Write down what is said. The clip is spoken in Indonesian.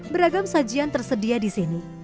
beragam sajian tersedia di sini